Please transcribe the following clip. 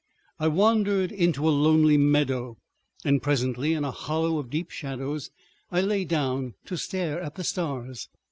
I wandered into a lonely meadow, and presently in a hollow of deep shadows I lay down to stare at the stars.